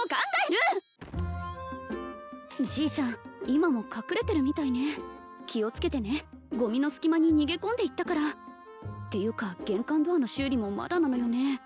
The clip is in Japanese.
今も隠れてるみたいね気をつけてねゴミの隙間に逃げ込んでいったからっていうか玄関ドアの修理もまだなのよね